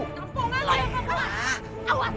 kampungan lu yang penghalang